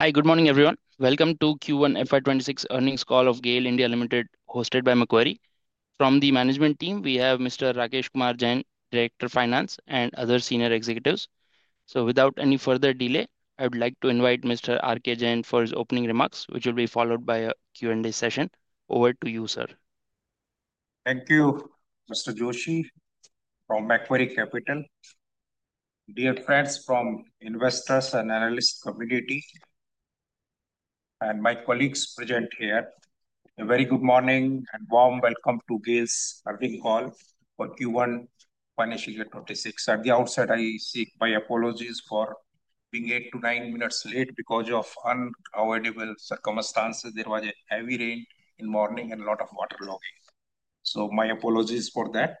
Hi, good morning, everyone. Welcome to Q1 FY 2026 earnings call of GAIL (India) Limited, hosted by Macquarie. From the management team, we have Mr. Rakesh Kumar Jain, Director of Finance, and other senior executives. Without any further delay, I would like to invite Mr. R. K. Jain for his opening remarks, which will be followed by a Q&A session. Over to you, sir. Thank you, Mr. Joshi from Macquarie Capital. Dear friends from investors and analyst community, and my colleagues present here, a very good morning and warm welcome to GAIL's earnings call for Q1 Financial Year 2026. At the outset, I seek my apologies for being 8-9 minutes late because of unavoidable circumstances. There was heavy rain in the morning and a lot of waterlogging. My apologies for that.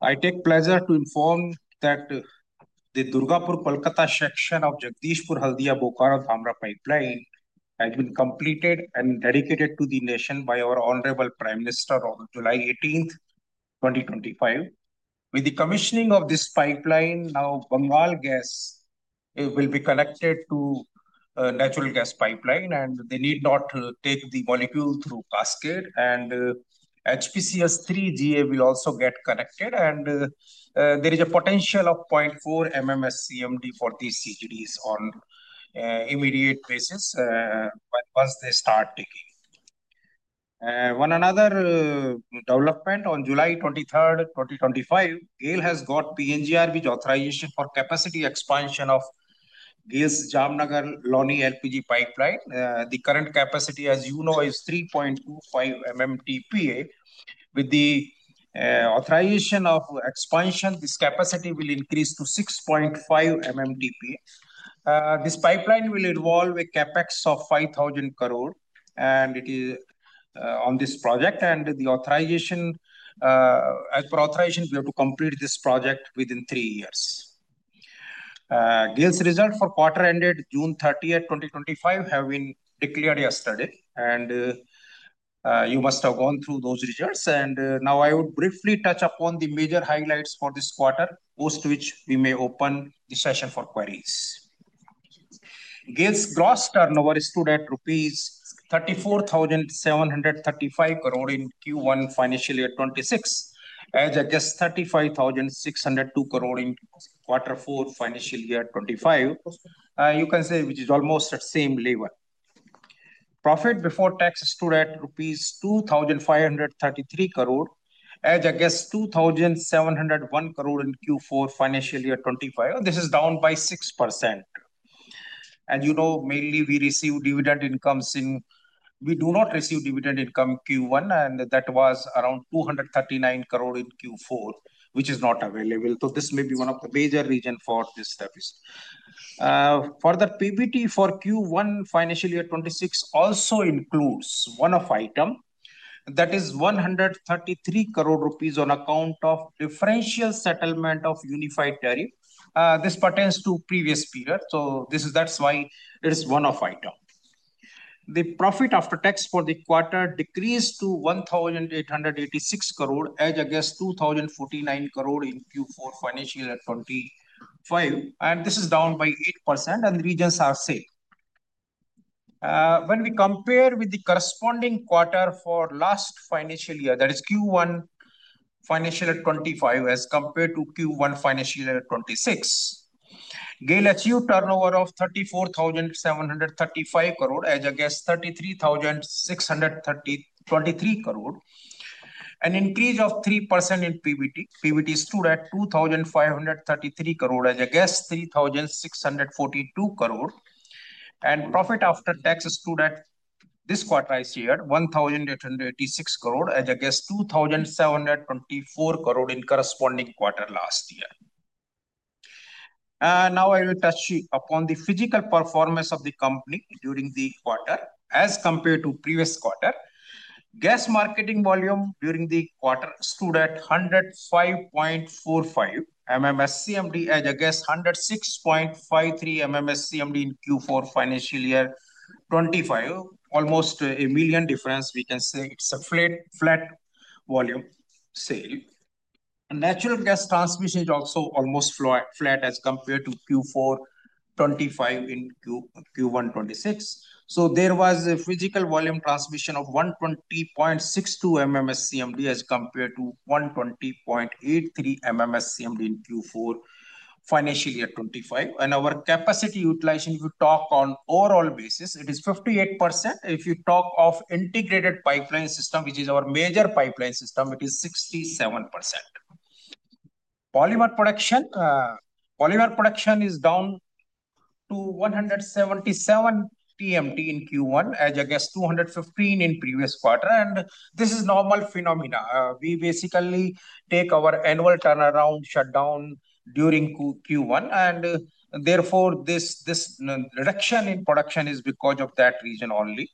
I take pleasure to inform that the Durgapur Kolkata section of Jagdishpur–Haldia–Bokaro–Dhamra Pipeline has been completed and dedicated to the nation by our Honorable Prime Minister on July 18, 2025. With the commissioning of this pipeline, now Bengal Gas will be connected to a natural gas pipeline, and they need not take the molecule through cascade. HPCS 3GA will also get connected. There is a potential of 0.4 MMSCMD for these CGDs on an immediate basis once they start taking. One another development, on July 23, 2025, GAIL has got PNGRB authorization for capacity expansion of GAIL's Jamnagar–Loni LPG Pipeline. The current capacity, as you know, is 3.25 MMTPA. With the authorization of expansion, this capacity will increase to 6.5 MMTPA. This pipeline will involve a capex of 5,000 crore, and it is on this project. As per authorization, we have to complete this project within three years. GAIL's results for quarter ended June 30, 2025, have been declared yesterday. You must have gone through those results. I would briefly touch upon the major highlights for this quarter, post which we may open the session for queries. GAIL's gross turnover stood at rupees 34,735 crore in Q1 Financial Year 2026, as against 35,602 crore in Q4 Financial Year 2025. You can say, which is almost at same level. Profit before tax stood at rupees 2,533 crore, as against 2,701 crore in Q4 Financial Year 2025. This is down by 6%. As you know, mainly we receive dividend incomes in, we do not receive dividend income in Q1, and that was around 239 crore in Q4, which is not available. This may be one of the major reasons for this deficit. Further, PBT for Q1 Financial Year 2026 also includes one-off item, that is 133 crore rupees on account of differential settlement of unified tariff. This pertains to the previous period, so that is why it is one-off item. The profit after tax for the quarter decreased to 1,886 crore, as against 2,049 crore in Q4 Financial Year 2025. This is down by 8%, and the reasons are same. When we compare with the corresponding quarter for last financial year, that is Q1 Financial Year 2025, as compared to Q1 Financial Year 2026, GAIL achieved turnover of 34,735 crore, as against 33,633 crore, an increase of 3% in PBT. PBT stood at 2,533 crore, as against 3,642 crore. Profit after tax stood at this quarter this year, 1,886 crore, as against 2,724 crore in corresponding quarter last year. Now I will touch upon the physical performance of the company during the quarter, as compared to the previous quarter. Gas marketing volume during the quarter stood at 105.45 MMSCMD, as against 106.53 MMSCMD in Q4 Financial Year 2025. Almost a million difference, we can say. It's a flat volume sale. Natural gas transmission is also almost flat as compared to Q4 2025 in Q1 2026. There was a physical volume transmission of 120.62 MMSCMD as compared to 120.83 MMSCMD in Q4 Financial Year 2025. Our capacity utilization, if you talk on an overall basis, it is 58%. If you talk of integrated pipeline system, which is our major pipeline system, it is 67%. Polymer production is down to 177 TMT in Q1, as against 215 in the previous quarter. This is a normal phenomenon. We basically take our annual turnaround shutdown during Q1, and therefore, this reduction in production is because of that reason only.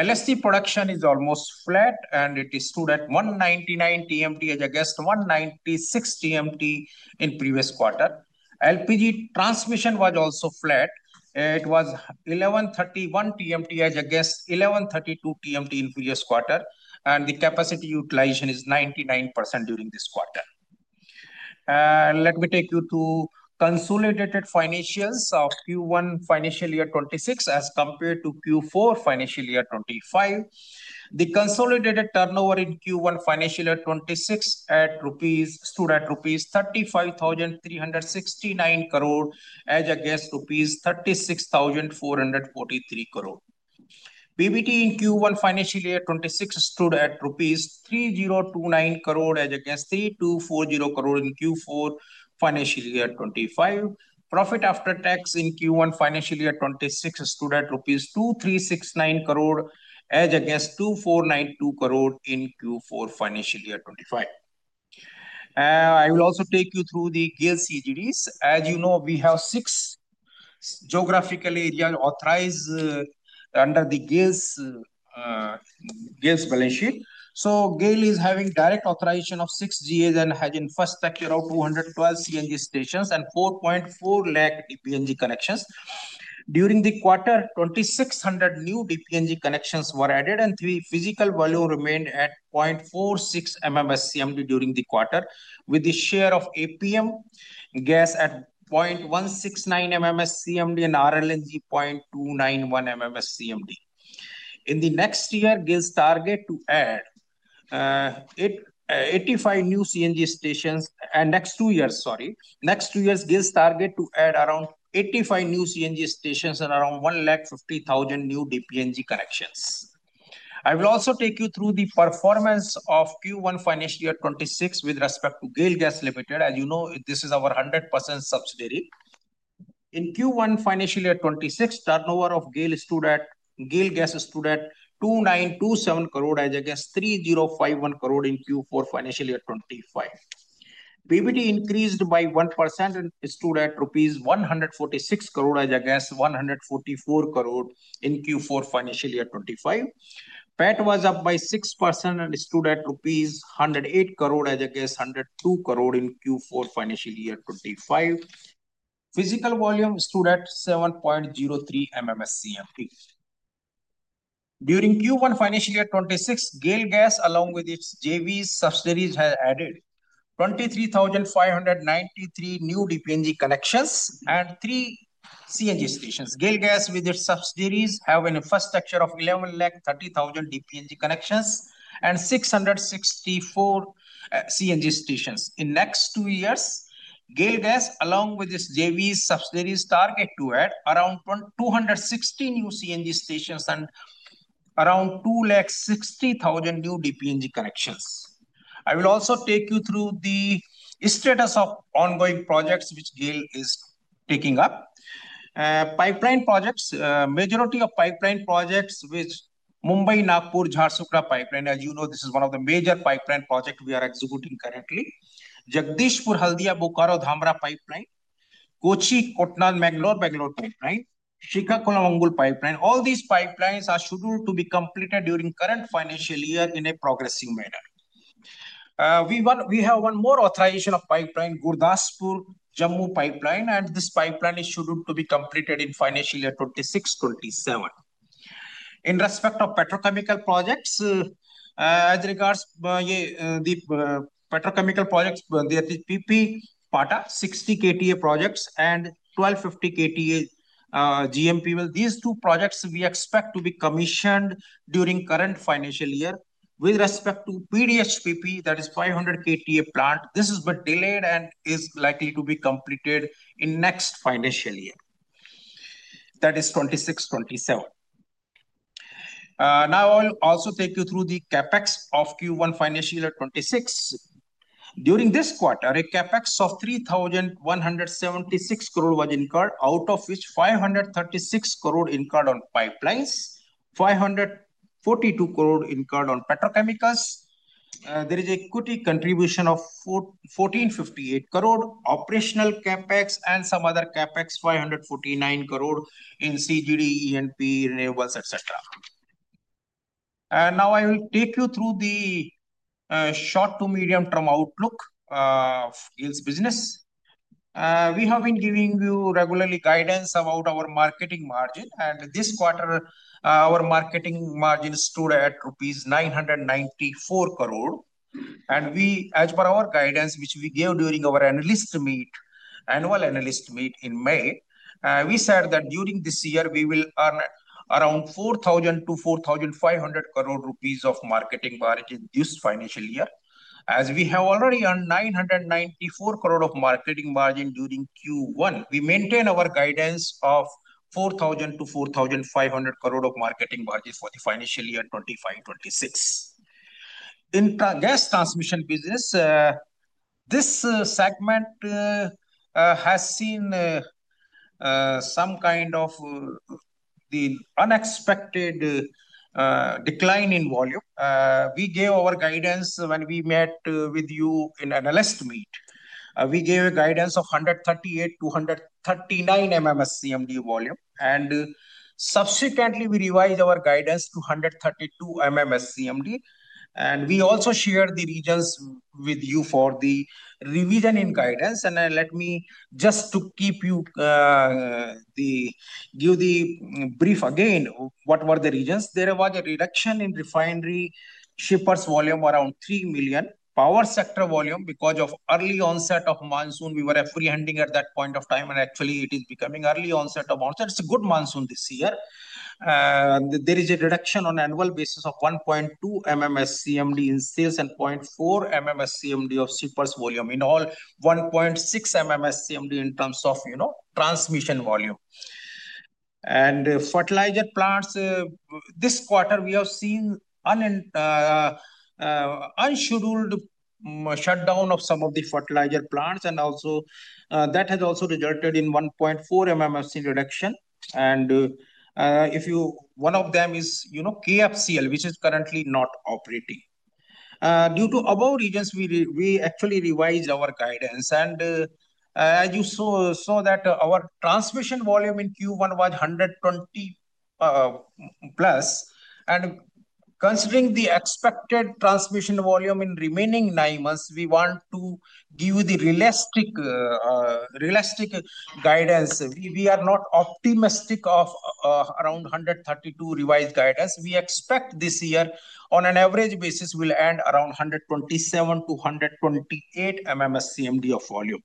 LST production is almost flat, and it stood at 199 TMT, as against 196 TMT in the previous quarter. LPG transmission was also flat. It was 1,131 TMT, as against 1,132 TMT in the previous quarter. The capacity utilization is 99% during this quarter. Let me take you to consolidated financials of Q1 Financial Year 2026 as compared to Q4 Financial Year 2025. The consolidated turnover in Q1 Financial Year 2026 stood at rupees 35,369 crore, as against rupees 36,443 crore. PBT in Q1 Financial Year 2026 stood at rupees 3,029 crore, as against 3,240 crore in Q4 Financial Year 2025. Profit after tax in Q1 Financial Year 2026 stood at rupees 2,369 crore, as against 2,492 crore in Q4 Financial Year 2025. I will also take you through the GAIL CGDs. As you know, we have six geographical areas authorized under the GAIL's balance sheet. GAIL is having direct authorization of six GAs and has in first sector of 212 CNG stations and 440,000 DPNG connections. During the quarter, 2,600 new DPNG connections were added, and physical volume remained at 0.46 MMSCMD during the quarter, with the share of APM gas at 0.169 MMSCMD and RLNG 0.291 MMSCMD. In the next two years, GAIL's target is to add around 85 new CNG stations and around 150,000 new DPNG connections. I will also take you through the performance of Q1 Financial Year 2026 with respect to GAIL Gas Limited. As you know, this is our 100% subsidiary. In Q1 Financial Year 2026, turnover of GAIL Gas stood at 2,927 crore, as against 3,051 crore in Q4 Financial Year 2025. PBT increased by 1% and stood at rupees 146 crore, as against 144 crore in Q4 Financial Year 2025. PET was up by 6% and stood at rupees 108 crore, as against 102 crore in Q4 Financial Year 2025. Physical volume stood at 7.03 MMSCMD. During Q1 Financial Year 2026, GAIL Gas, along with its JV subsidiaries, has added 23,593 new DPNG connections and three CNG stations. GAIL Gas, with its subsidiaries, has an infrastructure of 1,130,000 DPNG connections and 664 CNG stations. In the next two years, GAIL Gas, along with its JV subsidiaries, targeted to add around 216 new CNG stations and around 260,000 new DPNG connections. I will also take you through the status of ongoing projects which GAIL is taking up. Pipeline projects, majority of pipeline projects which Mumbai–Nagpur–Jharsuguda Pipeline, as you know, this is one of the major pipeline projects we are executing currently. Jagdishpur–Haldia–Bokaro–Dhamra Pipeline, Kochi–Kootanad–Mangalore Pipeline, Shikhanekola–Mangal Pipeline. All these pipelines are scheduled to be completed during the current financial year in a progressive manner. We have one more authorization of pipeline, Gurdaspur–Jammu Pipeline, and this pipeline is scheduled to be completed in Financial Year 2026-2027. In respect of petrochemical projects. As regards the petrochemical projects, there is PP Pata 60 KTA projects and 1,250 KTA GMP well. These two projects we expect to be commissioned during the current financial year. With respect to PDHPP, that is 500 KTA plant. This has been delayed and is likely to be completed in the next financial year, that is 2026-2027. Now I will also take you through the capex of Q1 Financial Year 2026. During this quarter, a capex of 3,176 crore was incurred, out of which 536 crore incurred on pipelines, 542 crore incurred on petrochemicals. There is an equity contribution of 1,458 crore, operational capex, and some other capex, 549 crore in CGD, E&P, renewables, etc. Now I will take you through the short to medium term outlook of GAIL's business. We have been giving you regularly guidance about our marketing margin. This quarter, our marketing margin stood at rupees 994 crore. As per our guidance, which we gave during our analyst meet, annual analyst meet in May, we said that during this year, we will earn around 4,000-4,500 crore rupees of marketing margin this financial year. As we have already earned 994 crore of marketing margin during Q1, we maintain our guidance of 4,000-4,500 crore of marketing margin for the financial year 2025-2026. In the gas transmission business, this segment has seen some kind of the unexpected decline in volume. We gave our guidance when we met with you in the analyst meet. We gave a guidance of 138-139 MMSCMD volume. Subsequently, we revised our guidance to 132 MMSCMD. We also shared the reasons with you for the revision in guidance. Let me just to keep you, give the brief again, what were the reasons. There was a reduction in refinery shippers volume around 3 million. Power sector volume, because of early onset of monsoon, we were free-handing at that point of time. Actually, it is becoming early onset of monsoon. It's a good monsoon this year. There is a reduction on an annual basis of 1.2 MMSCMD in sales and 0.4 MMSCMD of shippers volume, in all, 1.6 MMSCMD in terms of transmission volume. Fertilizer plants, this quarter, we have seen unscheduled shutdown of some of the fertilizer plants. That has also resulted in 1.4 MMSCMD reduction. One of them is KFCL, which is currently not operating. Due to above reasons, we actually revised our guidance. As you saw, our transmission volume in Q1 was 120 plus. Considering the expected transmission volume in remaining nine months, we want to give you the realistic guidance. We are not optimistic of around 132 revised guidance. We expect this year, on an average basis, we'll end around 127-128 MMSCMD of volume.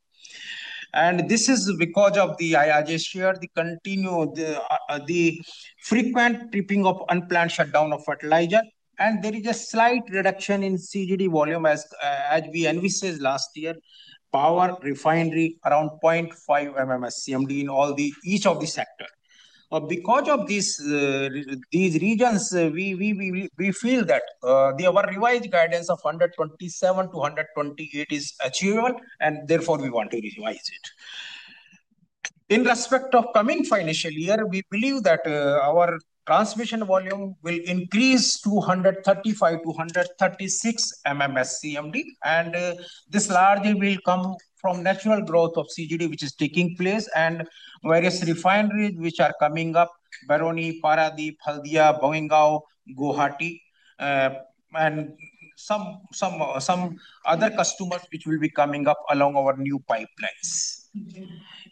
This is because of the IRJ share, the continue, the frequent tripping of unplanned shutdown of fertilizer. There is a slight reduction in CGD volume, as we envisaged last year, power refinery around 0.5 MMSCMD in each of the sectors. Because of these reasons, we feel that the over-revised guidance of 127-128 is achievable. Therefore, we want to revise it. In respect of the coming financial year, we believe that our transmission volume will increase to 135-136 MMSCMD. This largely will come from natural growth of CGD, which is taking place, and various refineries which are coming up, Barauni, Paradeep, Haldia, Bongao, Guwahati, and some other customers which will be coming up along our new pipelines.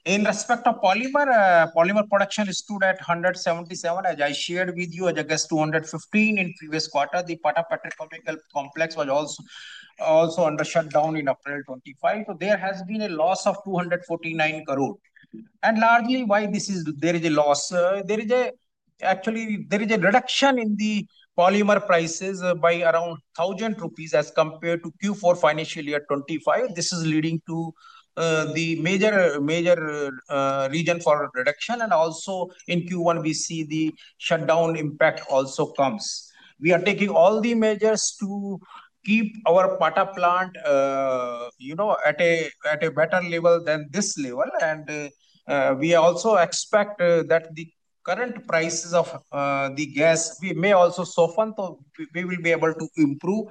In respect of polymer, polymer production stood at 177, as I shared with you, as against 215 in the previous quarter. The Pata petrochemical complex was also under shutdown in April 25. There has been a loss of 249 crore. Largely why this is there is a loss, there is actually a reduction in the polymer prices by around 1,000 rupees as compared to Q4 Financial Year 2025. This is leading to the major reason for reduction. Also in Q1, we see the shutdown impact also comes. We are taking all the measures to keep our Pata plant at a better level than this level. We also expect that the current prices of the gas, we may also soften to we will be able to improve.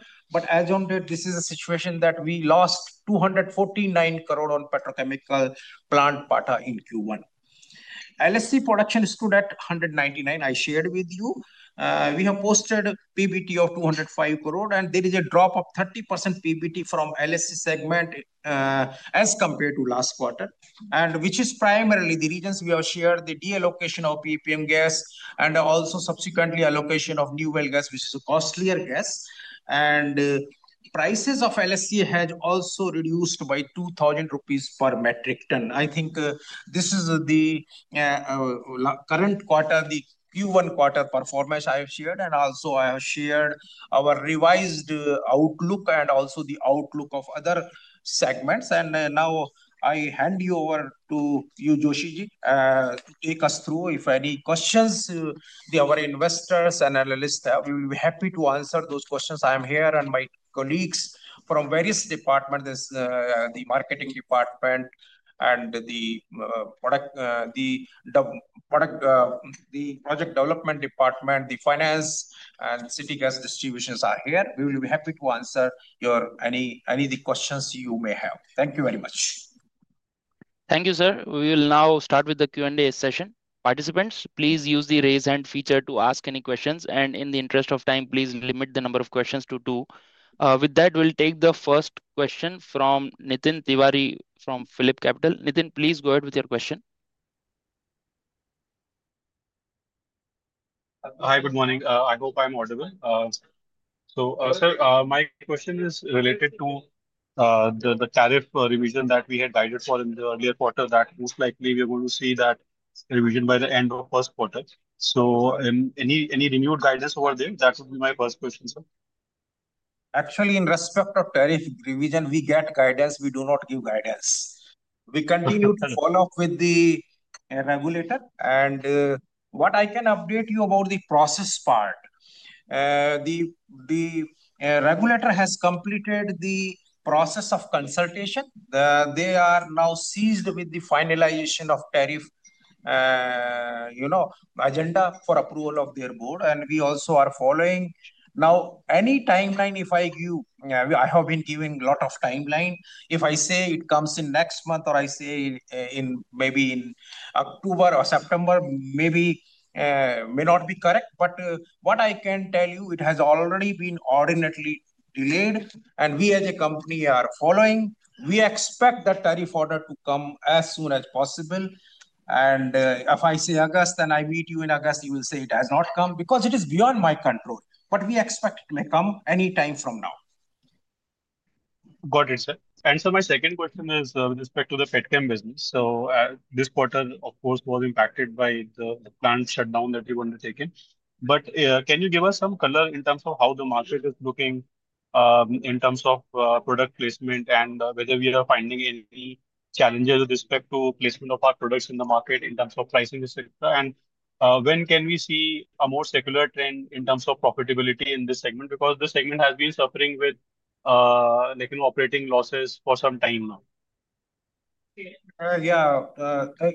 As of date, this is a situation that we lost 249 crore on petrochemical plant Pata in Q1. LHC production stood at 199, I shared with you. We have posted PBT of 205 crore. There is a drop of 30% PBT from LHC segment as compared to last quarter. Which is primarily the reason we have shared the deallocation of APM gas and also subsequently allocation of new well gas, which is a costlier gas. Prices of LHC have also reduced by 2,000 rupees per metric ton. I think this is the current quarter, the Q1 quarter performance I have shared. I have also shared our revised outlook and also the outlook of other segments. I now hand over to you, Joshiji, to take us through. If there are any questions, the other investors and analysts, we will be happy to answer those questions. I am here and my colleagues from various departments, the marketing department, the product, the project development department, the finance, and city gas distributions are here. We will be happy to answer any of the questions you may have. Thank you very much. Thank you, sir. We will now start with the Q&A session. Participants, please use the raise hand feature to ask any questions. In the interest of time, please limit the number of questions to two. With that, we will take the first question from Nitin Tiwari from Philip Capital. Nitin, please go ahead with your question. Hi, good morning. I hope I am audible. My question is related to the tariff revision that we had guided for in the earlier quarter, that most likely we are going to see that revision by the end of first quarter. Any renewed guidance over there? That would be my first question, sir. Actually, in respect of tariff revision, we get guidance. We do not give guidance. We continue to follow up with the regulator. What I can update you about is the process part. The regulator has completed the process of consultation. They are now seized with the finalization of tariff, agenda for approval of their board, and we also are following. Now, any timeline, if I give, I have been giving a lot of timelines. If I say it comes in next month or I say maybe in October or September, it may not be correct. What I can tell you is it has already been ordinarily delayed, and we as a company are following. We expect the tariff order to come as soon as possible. If I say August and I meet you in August, you will say it has not come because it is beyond my control. We expect it may come any time from now. Got it, sir. My second question is with respect to the petchem business. This quarter, of course, was impacted by the plant shutdown that we wanted to take in. Can you give us some color in terms of how the market is looking in terms of product placement and whether we are finding any challenges with respect to placement of our products in the market in terms of pricing, etc.? When can we see a more secular trend in terms of profitability in this segment? Because this segment has been suffering with operating losses for some time now. Yeah.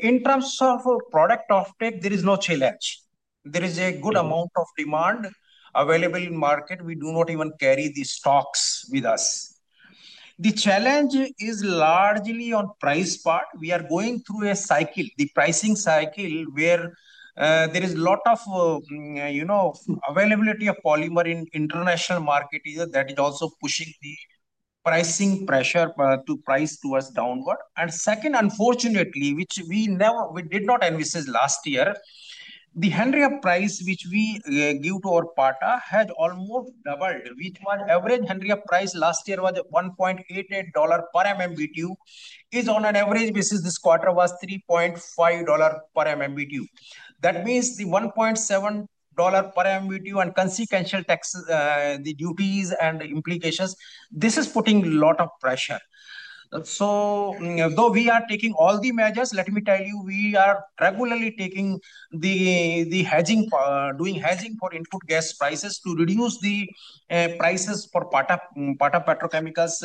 In terms of product offtake, there is no challenge. There is a good amount of demand available in the market. We do not even carry the stocks with us. The challenge is largely on the price part. We are going through a cycle, the pricing cycle, where there is a lot of availability of polymer in the international market that is also pushing the pricing pressure to price towards downward. And second, unfortunately, which we did not envisage last year, the hand rear price which we give to our Pata has almost doubled, which was average hand rear price last year was $1.88 per MMBTU. On an average basis, this quarter was $3.5 per MMBTU. That means the $1.7 per MMBTU and consequential duties and implications. This is putting a lot of pressure. Though we are taking all the measures, let me tell you, we are regularly taking the hedging, doing hedging for input gas prices to reduce the prices for Pata petrochemicals.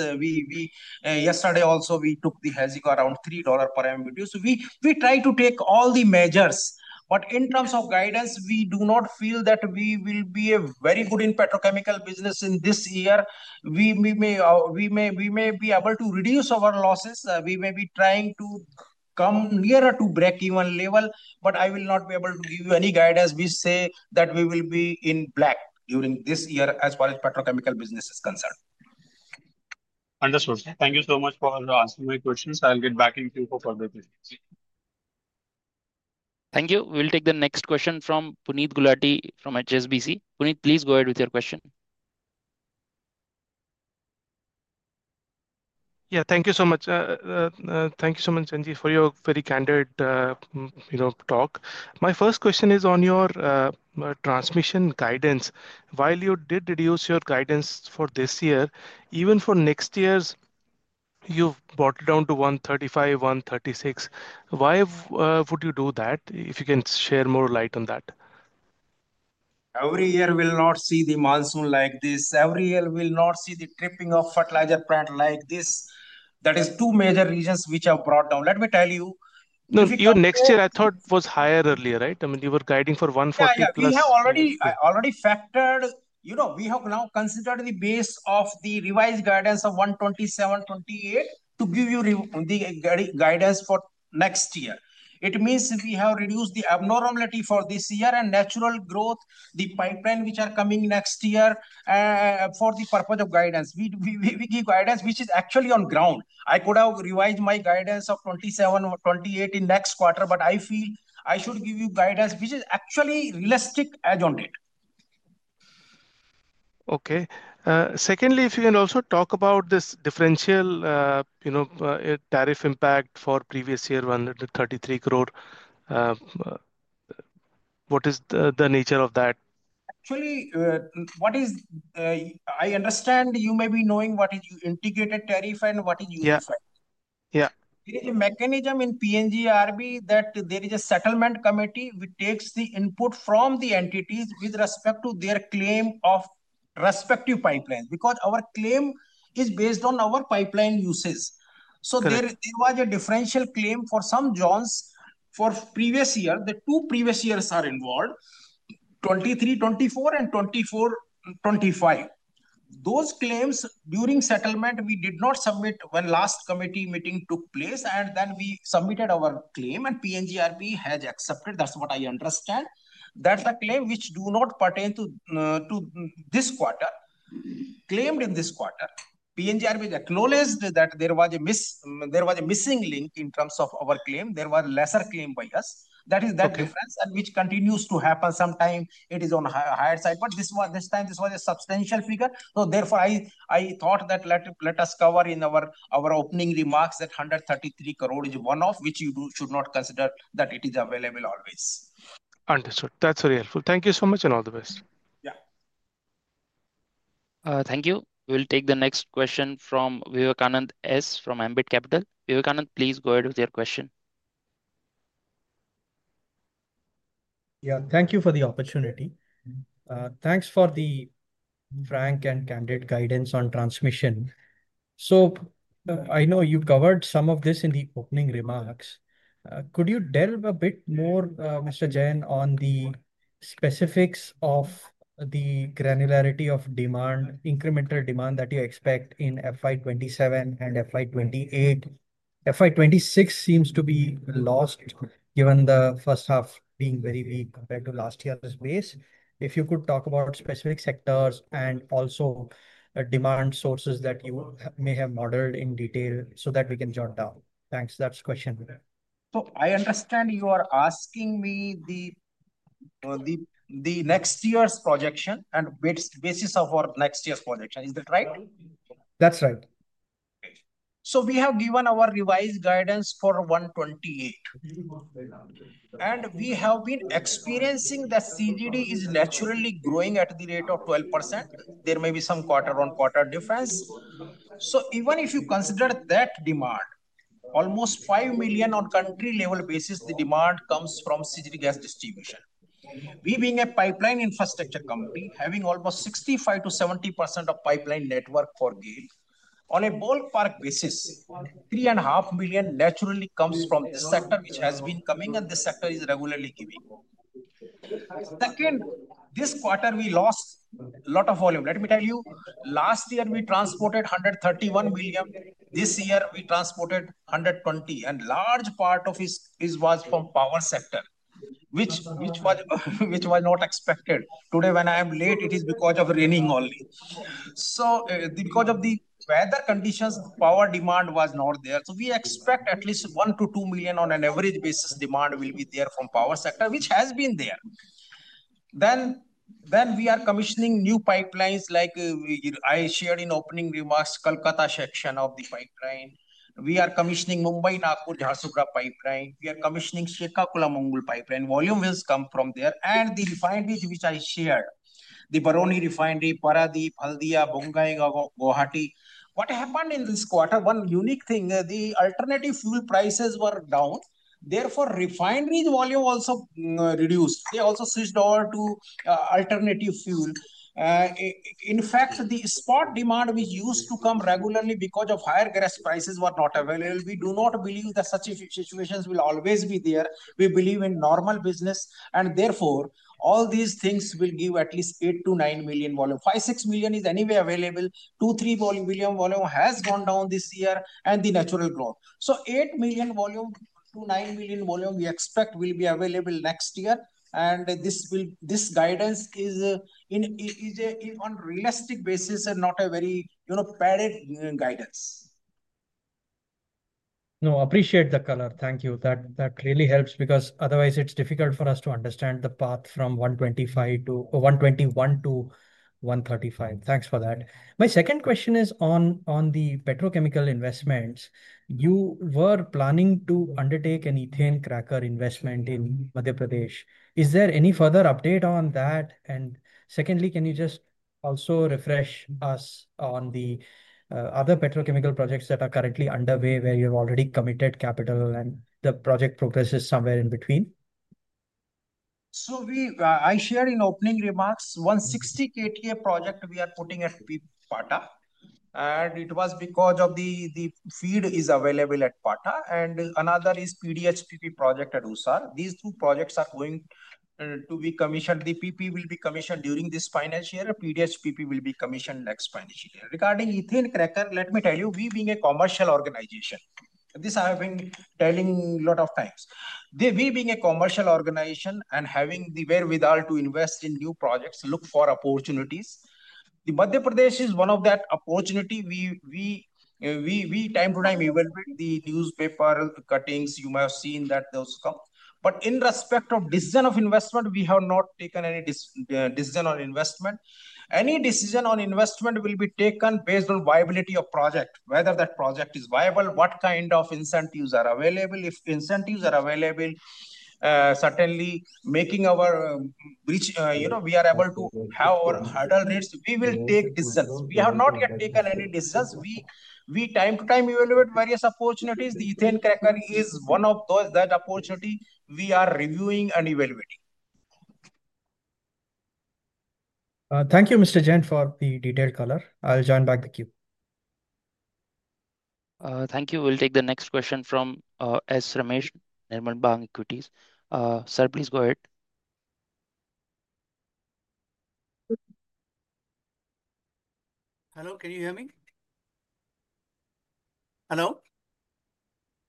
Yesterday, also, we took the hedging around $3 per MMBTU. We try to take all the measures. In terms of guidance, we do not feel that we will be very good in petrochemical business in this year. We may be able to reduce our losses. We may be trying to come nearer to break even level. I will not be able to give you any guidance. We say that we will be in black during this year as far as petrochemical business is concerned. Understood. Thank you so much for asking my questions. I'll get back in you for further questions. Thank you. We'll take the next question from Puneet Gulati from HSBC. Puneet, please go ahead with your question. Yeah, thank you so much. Thank you so much, Sanjeev, for your very candid talk. My first question is on your transmission guidance. While you did reduce your guidance for this year, even for next year's, you've brought it down to 135, 136. Why would you do that? If you can share more light on that. Every year we'll not see the monsoon like this. Every year we'll not see the tripping of fertilizer plant like this. That is two major reasons which have brought down. Let me tell you. No, your next year, I thought, was higher earlier, right? I mean, you were guiding for 140 plus. We have already factored. We have now considered the base of the revised guidance of 2027, 2028 to give you the guidance for next year. It means we have reduced the abnormality for this year and natural growth, the pipeline which are coming next year. For the purpose of guidance, we give guidance which is actually on ground. I could have revised my guidance of 2027, 2028 in next quarter, but I feel I should give you guidance which is actually realistic as on date. Okay. Secondly, if you can also talk about this differential tariff impact for previous year, 133 crore. What is the nature of that? Actually, what is. I understand you may be knowing what is integrated tariff and what is unified. Yeah. There is a mechanism in PNGRB that there is a settlement committee which takes the input from the entities with respect to their claim of respective pipelines. Because our claim is based on our pipeline uses. So there was a differential claim for some zones for previous year. The two previous years are involved. 2023, 2024, and 2024, 2025. Those claims during settlement, we did not submit when last committee meeting took place. And then we submitted our claim and PNGRB has accepted. That's what I understand. That's a claim which do not pertain to this quarter. Claimed in this quarter. PNGRB acknowledged that there was a missing link in terms of our claim. There were lesser claim by us. That is that difference and which continues to happen sometime. It is on the higher side. But this time, this was a substantial figure. So therefore, I thought that let us cover in our opening remarks that 133 crore is one of which you should not consider that it is available always. Understood. That's very helpful. Thank you so much and all the best. Yeah. Thank you. We'll take the next question from Vivekanand S from Ambit Capital. Vivekanand, please go ahead with your question. Yeah, thank you for the opportunity. Thanks for the frank and candid guidance on transmission. I know you covered some of this in the opening remarks. Could you delve a bit more, Mr. Jain, on the specifics of the granularity of demand, incremental demand that you expect in FY 2027 and FY 2028? FY 2026 seems to be lost given the first half being very weak compared to last year's base. If you could talk about specific sectors and also demand sources that you may have modeled in detail so that we can jot down. Thanks. That's the question. I understand you are asking me the next year's projection and basis of our next year's projection. Is that right? That's right. We have given our revised guidance for 128. And we have been experiencing that CGD is naturally growing at the rate of 12%. There may be some quarter-on-quarter difference. Even if you consider that demand, almost 5 million on country-level basis, the demand comes from CGD gas distribution. We being a pipeline infrastructure company, having almost 65%-70% of pipeline network for GAIL, on a ballpark basis, 3.5 million naturally comes from this sector which has been coming and this sector is regularly giving. Second, this quarter, we lost a lot of volume. Let me tell you, last year, we transported 131 million. This year, we transported 120. And a large part of it was from power sector, which was not expected. Today, when I am late, it is because of raining only. So because of the weather conditions, power demand was not there. We expect at least 1-2 million on an average basis demand will be there from power sector, which has been there. Then we are commissioning new pipelines, like I shared in opening remarks, Kolkata section of the pipeline. We are commissioning Mumbai–Nagpur–Jharsuguda pipeline. We are commissioning Shikhanekola–Mangal pipeline. Volume has come from there. And the refineries which I shared, the Barauni Refinery, Paradeep, Haldia, Bongaigaon, Guwahati. What happened in this quarter? One unique thing, the alternative fuel prices were down. Therefore, refineries volume also reduced. They also switched over to alternative fuel. In fact, the spot demand which used to come regularly because of higher gas prices was not available. We do not believe that such situations will always be there. We believe in normal business. Therefore, all these things will give at least 8-9 million volume. 5-6 million is anyway available. 2-3 million volume has gone down this year and the natural growth. So 8 million volume to 9 million volume we expect will be available next year. This guidance is on a realistic basis and not a very padded guidance. No, appreciate the color. Thank you. That really helps because otherwise, it is difficult for us to understand the path from 121 to 135. Thanks for that. My second question is on the petrochemical investments. You were planning to undertake an ethane cracker investment in Madhya Pradesh. Is there any further update on that? And secondly, can you just also refresh us on the other petrochemical projects that are currently underway where you have already committed capital and the project progresses somewhere in between? So I shared in opening remarks, 160 KTA project we are putting at Pata. And it was because of the feed is available at Pata. Another is PDHPP project at Usar. These two projects are going to be commissioned. The PP will be commissioned during this financial year. PDHPP will be commissioned next financial year. Regarding ethane cracker, let me tell you, we being a commercial organization. This I have been telling a lot of times. We being a commercial organization and having the wherewithal to invest in new projects, look for opportunities. Madhya Pradesh is one of that opportunity. We time to time evaluate the newspaper cuttings. You may have seen that those come. But in respect of decision of investment, we have not taken any decision on investment. Any decision on investment will be taken based on viability of project, whether that project is viable, what kind of incentives are available. If incentives are available, certainly making our, we are able to have our hurdle rates, we will take decisions. We have not yet taken any decisions. We time to time evaluate various opportunities. The ethane cracker is one of those that opportunity we are reviewing and evaluating. Thank you, Mr. Jain, for the detailed color. I'll join back the queue. Thank you. We'll take the next question from S Ramesh, Nirmal Bang Equities. Sir, please go ahead. Hello, can you hear me? Hello?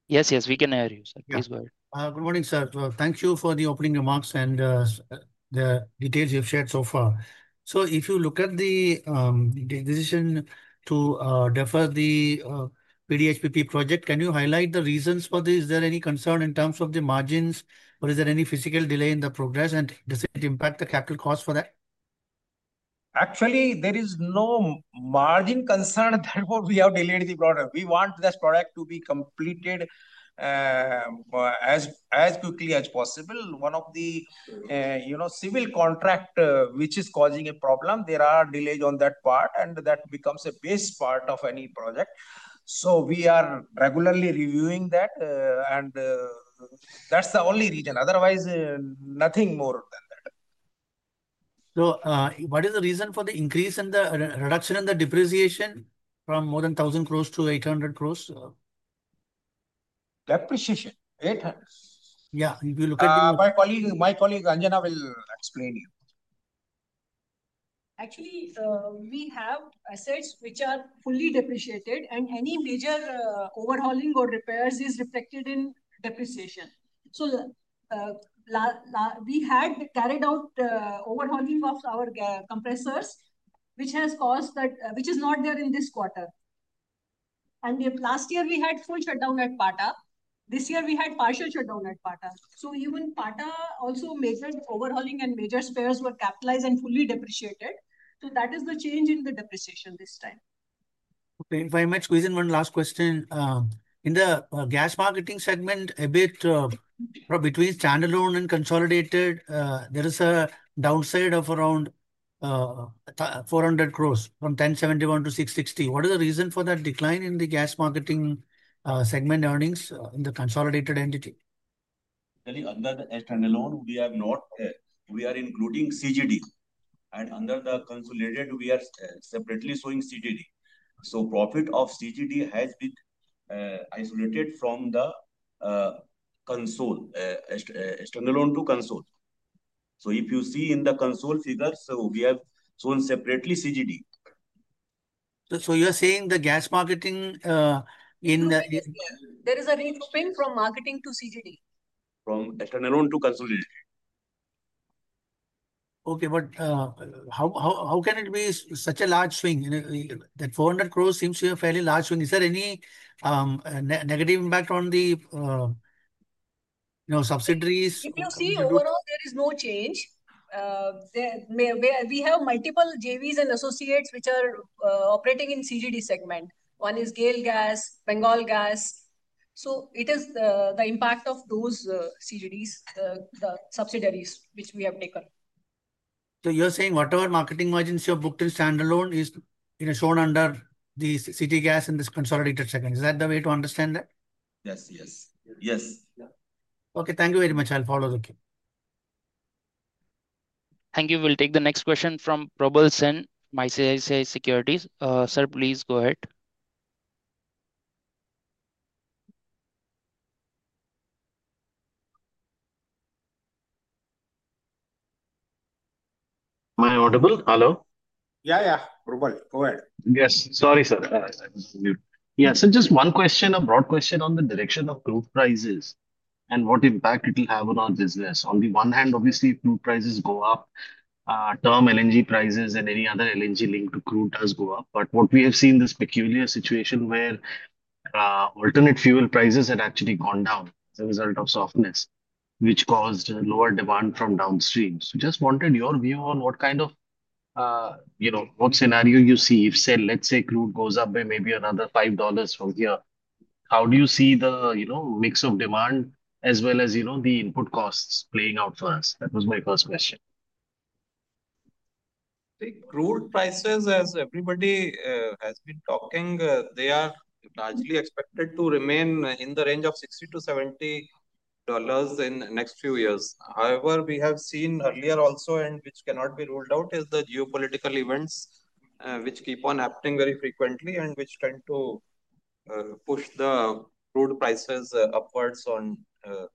Yes, yes, we can hear you, sir. Please go ahead. Good morning, sir. Thank you for the opening remarks and the details you've shared so far. If you look at the decision to defer the PDHPP project, can you highlight the reasons for this? Is there any concern in terms of the margins? Or is there any physical delay in the progress? And does it impact the capital cost for that? Actually, there is no margin concern. Therefore, we have delayed the product. We want this product to be completed as quickly as possible. One of the civil contract which is causing a problem, there are delays on that part, and that becomes a base part of any project. We are regularly reviewing that, and that's the only reason. Otherwise, nothing more than that. What is the reason for the increase in the reduction in the depreciation from more than 1,000 crore to 800 crore? Depreciation. 800 crore. If you look at the, my colleague Anjana will explain you. Actually, we have assets which are fully depreciated, and any major overhauling or repairs is reflected in depreciation. We had carried out overhauling of our compressors, which has caused that which is not there in this quarter. Last year, we had full shutdown at Pata. This year, we had partial shutdown at Pata. Even Pata also major overhauling and major spares were capitalized and fully depreciated. That is the change in the depreciation this time. Okay, if I may squeeze in one last question. In the gas marketing segment, a bit. Between standalone and consolidated, there is a downside of around 400 crore from 1,071 crore to 660 crore. What is the reason for that decline in the gas marketing segment earnings in the consolidated entity? Under the standalone, we are not, we are including CGD. Under the consolidated, we are separately showing CGD. Profit of CGD has been isolated from the console, standalone to console. If you see in the console figures, we have shown separately CGD. You're saying the gas marketing in the, there is a big swing from marketing to CGD from standalone to consolidated. Okay, but how can it be such a large swing? That 400 crore seems to be a fairly large swing. Is there any negative impact on the subsidiaries? If you see, overall, there is no change. We have multiple JVs and associates which are operating in CGD segment. One is GAIL Gas, Bengal Gas. It is the impact of those CGDs, the subsidiaries which we have taken. So you're saying whatever marketing margins you have booked in standalone is shown under the CT Gas and this consolidated segment. Is that the way to understand that? Yes, yes. Yes. Okay, thank you very much. I'll follow the queue. Thank you. We'll take the next question from Probal Sen, ICICI Securities. Sir, please go ahead. Am I audible? Hello? Yeah, yeah. Prabhul, go ahead. Yes, sorry, sir. Yeah, just one question, a broad question on the direction of crude prices and what impact it will have on our business. On the one hand, obviously, crude prices go up. Term LNG prices and any other LNG linked to crude does go up. What we have seen is this peculiar situation where alternate fuel prices had actually gone down as a result of softness, which caused lower demand from downstream. Just wanted your view on what kind of scenario you see. If, say, let's say crude goes up by maybe another $5 from here, how do you see the mix of demand as well as the input costs playing out for us? That was my first question. Crude prices, as everybody has been talking, they are largely expected to remain in the range of $60-$70 in the next few years. However, we have seen earlier also, and which cannot be ruled out, is the geopolitical events which keep on happening very frequently and which tend to push the crude prices upwards on a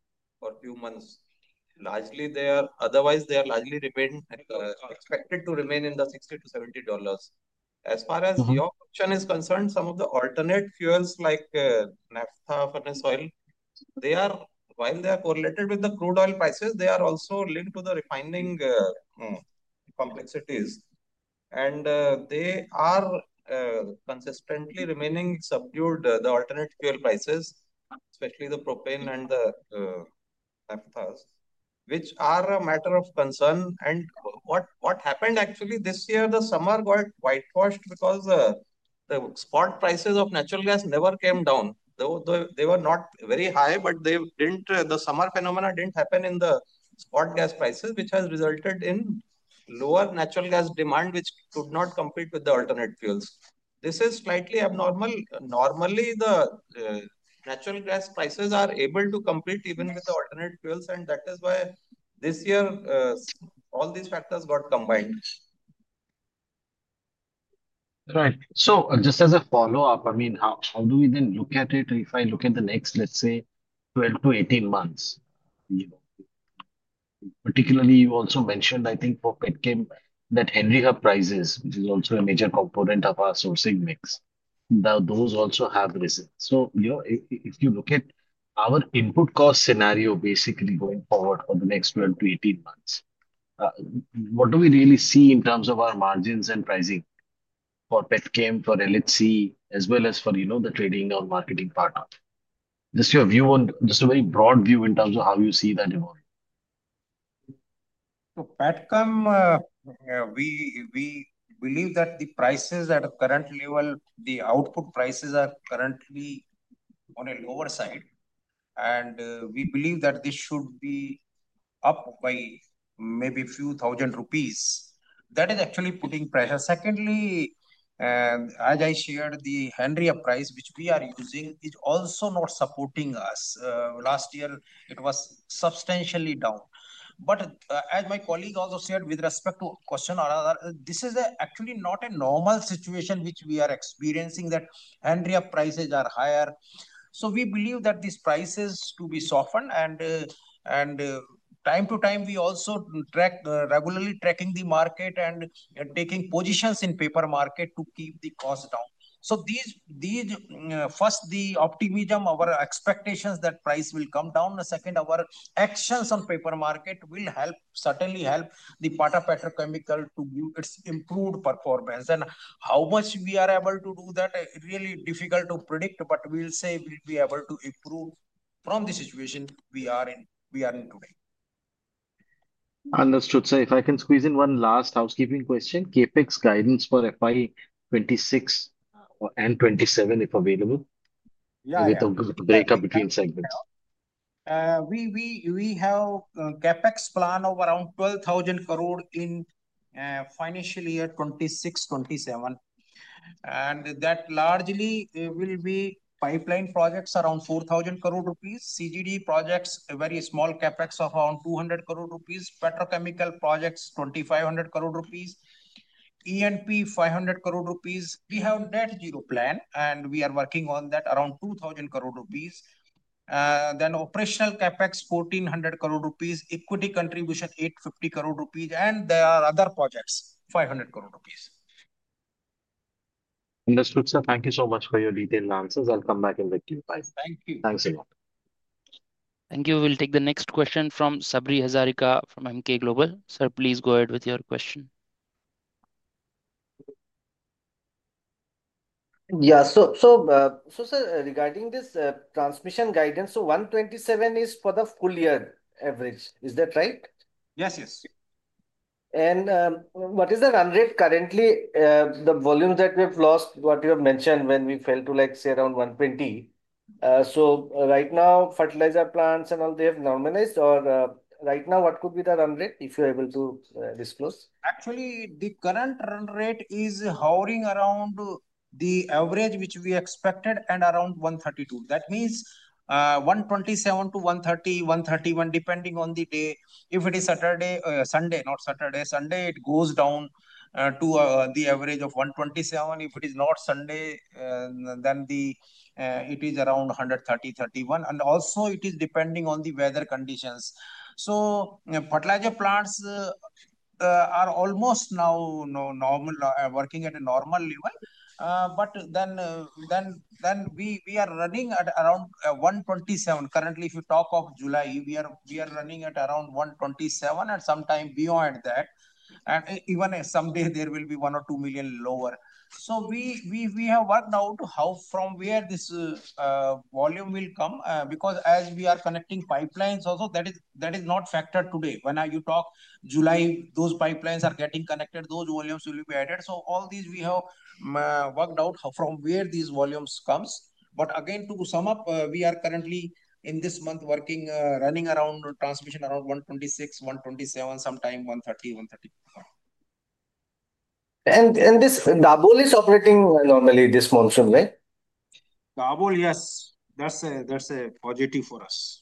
few months. Otherwise, they are largely expected to remain in the $60-$70. As far as your question is concerned, some of the alternate fuels like naphtha, furnace oil, while they are correlated with the crude oil prices, they are also linked to the refining complexities. They are consistently remaining subdued, the alternate fuel prices, especially the propane and the naphthas, which are a matter of concern. What happened actually this year, the summer got whitewashed because the spot prices of natural gas never came down. They were not very high, but the summer phenomena didn't happen in the spot gas prices, which has resulted in lower natural gas demand, which could not compete with the alternate fuels. This is slightly abnormal. Normally, the natural gas prices are able to compete even with the alternate fuels. That is why this year all these factors got combined. Right. Just as a follow-up, I mean, how do we then look at it if I look at the next, let's say, 12-18 months? Particularly, you also mentioned, I think, for Petchem, that Henry Hub prices, which is also a major component of our sourcing mix, those also have risen. If you look at our input cost scenario, basically going forward for the next 12-18 months, what do we really see in terms of our margins and pricing for Petchem, for LHC, as well as for the trading or marketing part? Just your view on just a very broad view in terms of how you see that evolve. So Petchem. We believe that the prices at the current level, the output prices are currently on a lower side. We believe that this should be up by maybe a few thousand rupees. That is actually putting pressure. Secondly, as I shared, the Henry Hub price, which we are using, is also not supporting us. Last year, it was substantially down. As my colleague also shared with respect to question or other, this is actually not a normal situation which we are experiencing that Henry Hub prices are higher. We believe that these prices to be softened. Time to time, we also regularly tracking the market and taking positions in paper market to keep the cost down. These, first, the optimism, our expectations that price will come down. Second, our actions on paper market will certainly help the Pata petrochemical to give its improved performance. How much we are able to do that, really difficult to predict, but we'll say we'll be able to improve from the situation we are in today. Understood. If I can squeeze in one last housekeeping question, CapEx guidance for financial year 2026 and 2027, if available, with a breakup between segments. We have CapEx plan of around 12,000 crore in financial year 2026-2027. That largely will be pipeline projects around 4,000 crore rupees, CGD projects, very small CapEx of around 200 crore rupees, petrochemical projects 2,500 crore rupees, E&P 500 crore rupees. We have a net zero plan, and we are working on that around 2,000 crore rupees. Then operational CapEx 1,400 crore rupees, equity contribution 850 crore rupees, and there are other projects 500 crore rupees. Understood, sir. Thank you so much for your detailed answers. I'll come back in the queue. Thank you. Thanks a lot. Thank you. We'll take the next question from Sabri Hazarika from MK Global. Sir, please go ahead with your question. Yeah. Regarding this transmission guidance, 127 is for the full year average. Is that right? Yes, yes. What is the run rate currently? The volume that we have lost, what you have mentioned when we fell to, like, say, around 120. Right now, fertilizer plants and all, they have normalized? Or right now, what could be the run rate if you're able to disclose? Actually, the current run rate is hovering around the average which we expected and around 132. That means 127-130, 131, depending on the day. If it is Saturday, Sunday, not Saturday, Sunday, it goes down to the average of 127. If it is not Sunday, then it is around 130, 131. Also, it is depending on the weather conditions. Fertilizer plants are almost now working at a normal level. We are running at around 127. Currently, if you talk of July, we are running at around 127 and sometime beyond that. Even someday, there will be one or two million lower. We have worked out from where this volume will come because as we are connecting pipelines, also that is not factored today. When you talk July, those pipelines are getting connected, those volumes will be added. All these we have worked out from where these volumes come. Again, to sum up, we are currently in this month working, running around transmission around 126, 127, sometime 130, 131. This Dabol is operating normally this monsoon, right? Dabol, yes. That is a positive for us.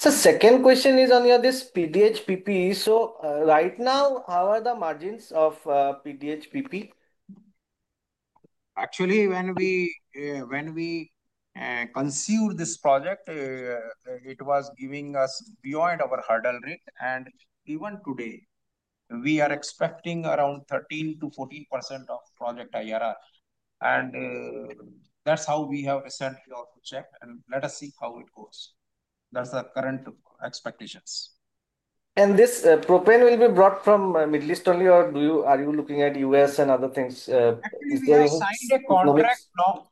Okay, sir. The second question is on this PDHPP. Right now, how are the margins of PDHPP? Actually, when we considered this project, it was giving us beyond our hurdle rate. Even today, we are expecting around 13%-14% of project IRR. That is how we have recently also checked. Let us see how it goes. That is the current expectations. This propane will be brought from the Middle East only, or are you looking at the U.S. and other things? We have signed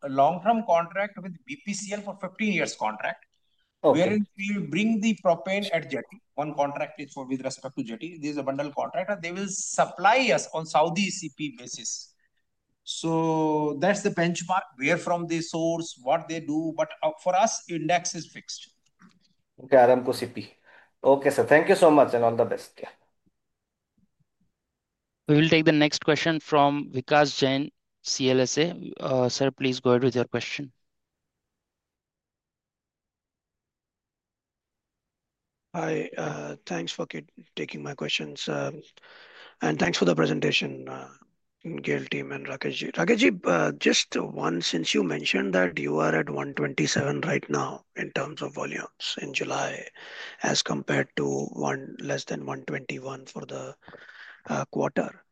a long-term contract with BPCL for a 15-year contract. We will bring the propane at JETI. One contract is with respect to JETI. This is a bundle contract. They will supply us on a Saudi CP basis. That is the benchmark. Where from the source, what they do. For us, the index is fixed. Okay, Aramco CP. Okay, sir. Thank you so much and all the best. We will take the next question from Vikash Jain CLSA. Sir, please go ahead with your question. Hi. Thanks for taking my questions. Thanks for the presentation. GAIL team and Rakesh Jain. Rakesh Jain, just one, since you mentioned that you are at 127 right now in terms of volumes in July as compared to less than 121 for the quarter.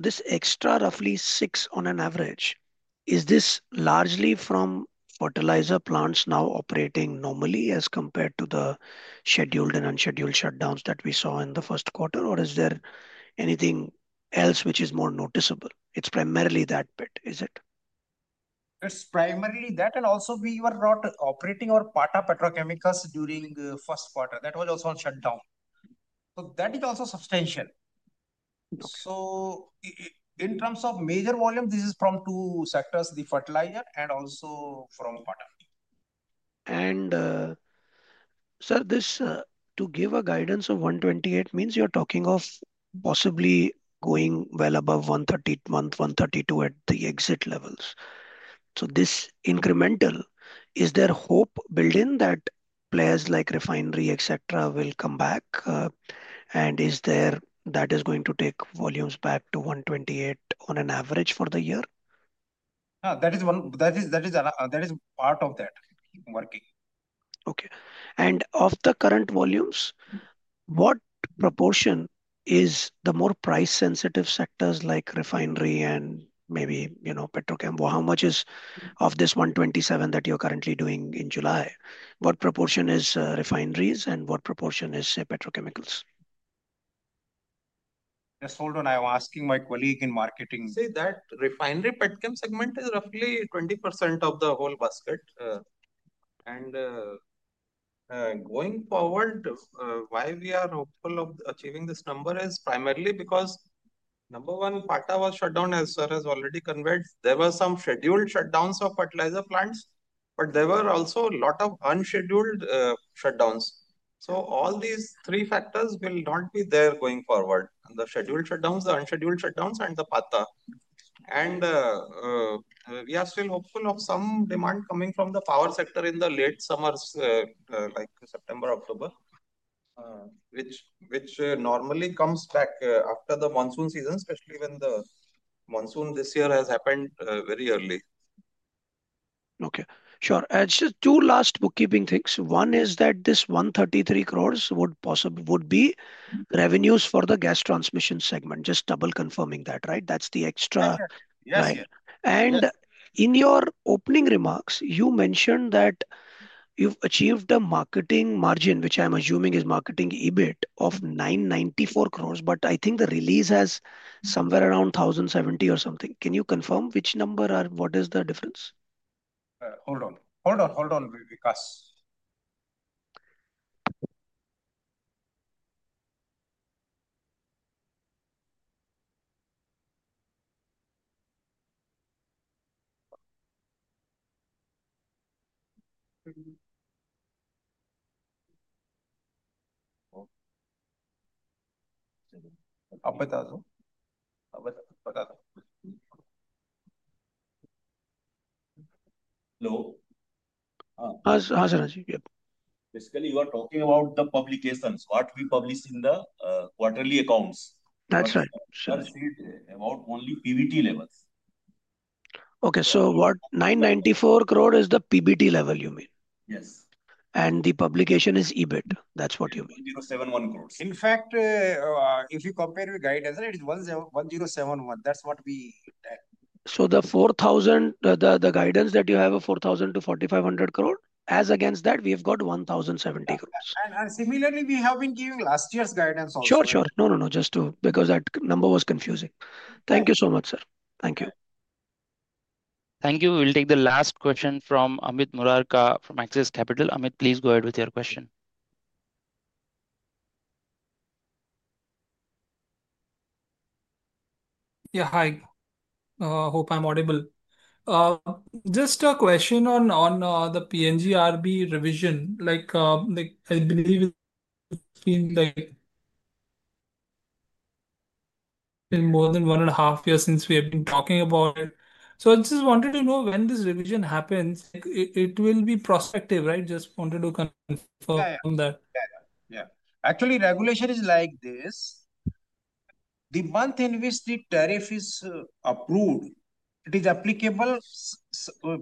This extra, roughly six on an average, is this largely from fertilizer plants now operating normally as compared to the scheduled and unscheduled shutdowns that we saw in the first quarter? Or is there anything else which is more noticeable? It is primarily that bit, is it? It is primarily that. Also, we were not operating our Pata petrochemicals during the first quarter. That was also on shutdown. That is also substantial. In terms of major volume, this is from two sectors, the fertilizer and also from Pata. Sir, this to give a guidance of 128 means you are talking of possibly going well above 130, 132 at the exit levels. This incremental, is there hope built in that players like refinery, etc., will come back? Is there that is going to take volumes back to 128 on an average for the year? No, that is part of that working. Okay. Of the current volumes, what proportion is the more price-sensitive sectors like refinery and maybe petrochem? How much is of this 127 that you're currently doing in July? What proportion is refineries and what proportion is petrochemicals? Yes, hold on. I'm asking my colleague in marketing. Say that refinery Petchem segment is roughly 20% of the whole basket. Going forward, why we are hopeful of achieving this number is primarily because, number one, Pata was shut down, as Sir has already conveyed. There were some scheduled shutdowns of fertilizer plants, but there were also a lot of unscheduled shutdowns. All these three factors will not be there going forward: the scheduled shutdowns, the unscheduled shutdowns, and the Pata. We are still hopeful of some demand coming from the power sector in the late summers, like September, October, which normally comes back after the monsoon season, especially when the monsoon this year has happened very early. Okay, sure. Just two last bookkeeping things. One is that this 133 crore would be revenues for the gas transmission segment. Just double confirming that, right? That's the extra. Yes. In your opening remarks, you mentioned that you've achieved a marketing margin, which I'm assuming is marketing EBIT of 994 crore, but I think the release has somewhere around 1,070 crore or something. Can you confirm which number or what is the difference? Hold on. Hold on, hold on, Vikash. Hello? Hi, sir. you are talking about the publications, what we publish in the quarterly accounts. That's right. About only PBT levels. Okay. So what 994 crore is the PBT level, you mean? Yes. The publication is EBIT. That's what you mean. 1,071 crore. In fact, if you compare with guidance, it is 1,071 crore. That's what we did. The guidance that you have of 4,000-4,500 crore, as against that, we have got 1,070 crore. Similarly, we have been giving last year's guidance also. Sure, sure. No, no, no. Just because that number was confusing. Thank you so much, sir. Thank you. Thank you. We'll take the last question from Amit Murarka from Axis Capital. Amit, please go ahead with your question. Yeah, hi. Hope I'm audible. Just a question on the PNGRB revision. I believe it's been like more than one and a half years since we have been talking about it. I just wanted to know when this revision happens. It will be prospective, right? Just wanted to confirm that. Yeah. Actually, regulation is like this. The month in which the tariff is approved, it is applicable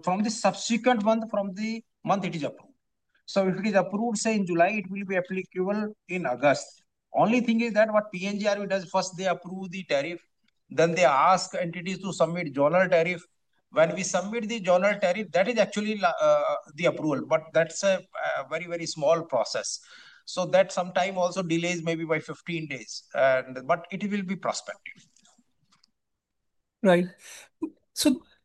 from the subsequent month from the month it is approved. If it is approved, say, in July, it will be applicable in August. Only thing is that what PNGRB does, first they approve the tariff, then they ask entities to submit the general tariff. When we submit the general tariff, that is actually the approval. That's a very, very small process. That sometime also delays maybe by 15 days. It will be prospective. Right.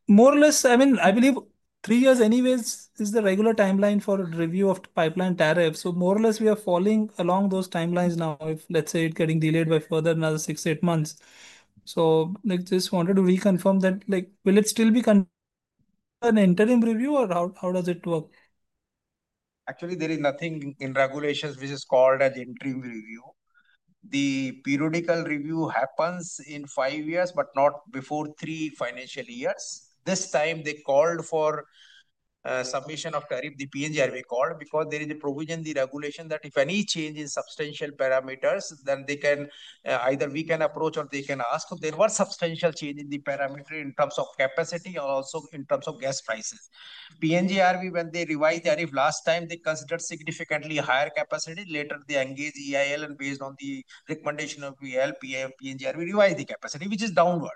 More or less, I mean, I believe three years anyways is the regular timeline for review of pipeline tariffs. More or less, we are falling along those timelines now. If, let's say, it's getting delayed by further another six-eight months. I just wanted to reconfirm that. Will it still be an interim review, or how does it work? Actually, there is nothing in regulations which is called an interim review. The periodical review happens in five years, but not before three financial years. This time, they called for submission of tariff. The PNGRB called because there is a provision in the regulation that if any change in substantial parameters, then either we can approach or they can ask if there was a substantial change in the parameter in terms of capacity or also in terms of gas prices. PNGRB, when they revised tariff last time, they considered significantly higher capacity. Later, they engaged EIL and based on the recommendation of EIL, PNGRB revised the capacity, which is downward.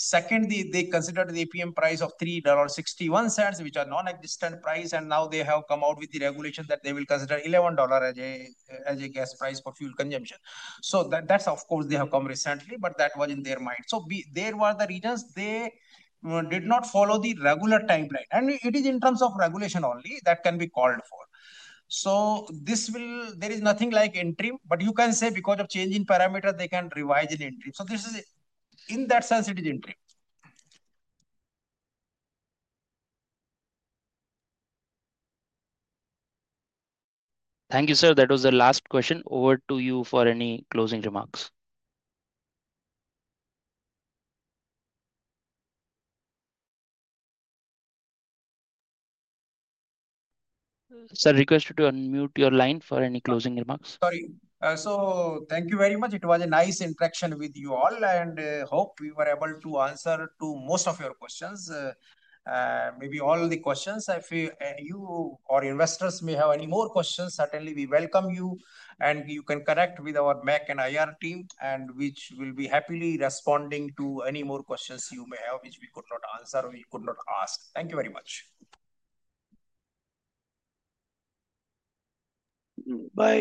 Second, they considered the APM price of $3.61, which are non-existent prices. Now they have come out with the regulation that they will consider $11 as a gas price for fuel consumption. That's, of course, they have come recently, but that was in their mind. There were the reasons they did not follow the regular timeline. It is in terms of regulation only that can be called for. There is nothing like interim, but you can say because of changing parameters, they can revise in interim. In that sense, it is interim. Thank you, sir. That was the last question. Over to you for any closing remarks. Sir, requested to unmute your line for any closing remarks. Sorry. Thank you very much. It was a nice interaction with you all. I hope we were able to answer most of your questions. Maybe all the questions. If you or investors may have any more questions, certainly we welcome you. You can connect with our MEC and IR team, which will be happily responding to any more questions you may have, which we could not answer or we could not ask. Thank you very much. Bye.